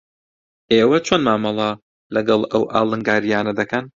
ئێوە چۆن مامەڵە لەگەڵ ئەو ئاڵنگارییانە دەکەن؟